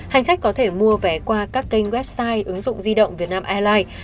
hành khách có thể mua vé qua các kênh website ứng dụng di động vietnam airlines